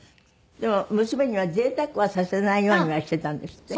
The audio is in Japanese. でも娘には贅沢はさせないようにはしていたんですって？